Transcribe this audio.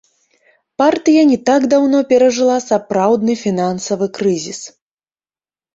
Партыя не так даўно перажыла сапраўдны фінансавы крызіс.